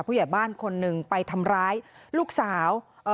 ผู้ใหญ่บ้านคนหนึ่งไปทำร้ายลูกสาวเอ่อ